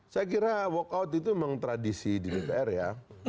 saya kira walk out itu memang tradisi di dpr ya